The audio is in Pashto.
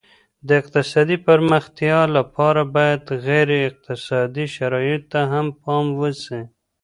د اقتصادي پرمختيا لپاره بايد غیر اقتصادي شرايطو ته هم پام وسي.